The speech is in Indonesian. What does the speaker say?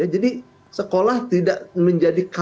jadi sekolah tidak menjadi